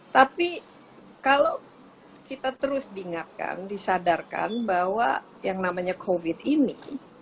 tapi kalau kita terus diingatkan disadarkan bahwa yang namanya covid ini